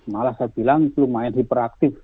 malah saya bilang lumayan hiperaktif